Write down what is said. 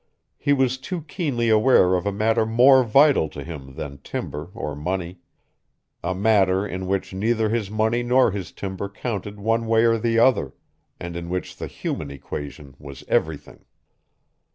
He was too keenly aware of a matter more vital to him than timber or money, a matter in which neither his money nor his timber counted one way or the other, and in which the human equation was everything.